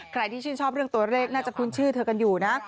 ใครที่ชื่นชอบเรื่องตัวเลขน่าจะคุ้นชื่อเธอกันอยู่นะ